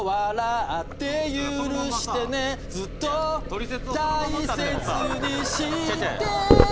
「ずっと大切にしてね。」